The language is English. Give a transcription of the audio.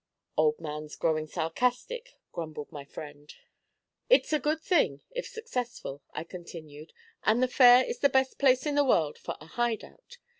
"' 'Old man's growing sarcastic,' grumbled my friend. '"It's a good thing, if successful,"' I continued; '"and the Fair is the best place in the world for a 'hide out.'